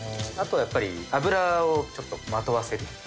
あとはやっぱり油をちょっとまとわせる。